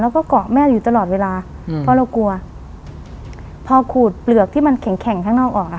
แล้วก็เกาะแม่อยู่ตลอดเวลาอืมเพราะเรากลัวพอขูดเปลือกที่มันแข็งแข็งข้างนอกออกอ่ะ